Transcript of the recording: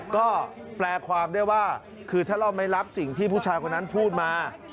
ก็แปลความได้ว่าคือถ้าเราไม่รับสิ่งที่ผู้ชายคนนั้นพูดมา